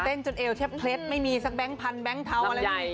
เต้นจนเอวเท็บเพล็ดไม่มีสักแบงค์พันแบงค์เทาอะไร